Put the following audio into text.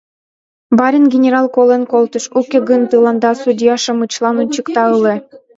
Барин-генерал колен колтыш, уке гын, тыланда, судья-шамычлан ончыкта ыле...